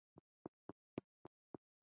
او یو ځای ثابت درېږي